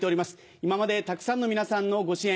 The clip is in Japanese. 今までたくさんの皆さんのご支援